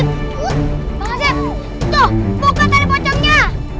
tuh buka tadi pocongnya